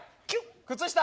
靴下！